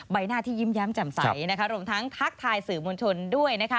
ใบหน้าที่ยิ้มแย้มแจ่มใสรวมทั้งทักทายสื่อมวลชนด้วย